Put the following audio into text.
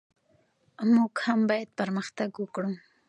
موږ هم باید پرمختګ وکړو.